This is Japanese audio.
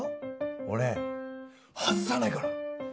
俺、外さないから。